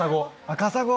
カサゴ。